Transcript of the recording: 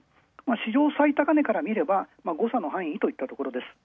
史上最高値からみれば誤差の範囲といったところです。